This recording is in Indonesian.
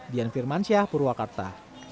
dian firmansyah purwakarta